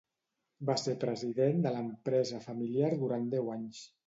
Va ser president de l'empresa familiar durant deu anys.